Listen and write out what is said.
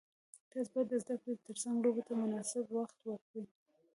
تاسو باید د زده کړې ترڅنګ لوبو ته مناسب وخت ورکړئ.